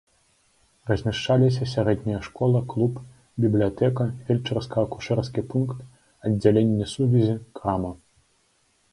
Размяшчаліся сярэдняя школа, клуб, бібліятэка, фельчарска-акушэрскі пункт, аддзяленне сувязі, крама.